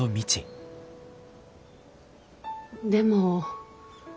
でも。